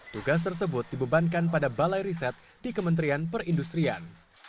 tugas tersebut dibebankan pada balai riset di kementerian perindustrian